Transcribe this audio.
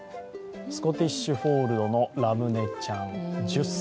スコティッシュフォールドのらむねちゃん１０歳。